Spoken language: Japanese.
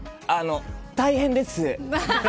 大変です。